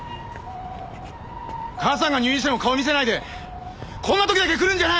母さんが入院しても顔見せないでこんな時だけ来るんじゃない！